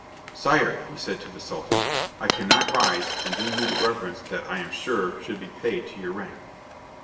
"Sire," he said to the Sultan, "I cannot rise and do you the reverence that I am sure should be paid to your rank."